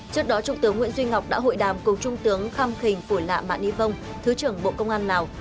trước đó trung tướng nguyễn duy ngọc đã hội đàm cùng trung tướng kham kinh phủy lạ mạ nĩ vông thứ trưởng bộ công an lào